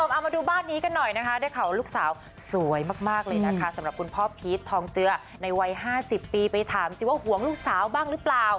เอามาดูบ้านนี้กันหน่อยนะคะได้ข่าวว่าลูกสาวสวยมากเลยนะคะสำหรับคุณพ่อพีชทองเจือในวัย๕๐ปีไปถามสิว่าห่วงลูกสาวบ้างหรือเปล่า